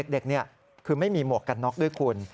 นี่คือไม่มีหมวกกันน็อกด้วยคุณ